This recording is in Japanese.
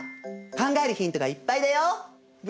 考えるヒントがいっぱいだよ！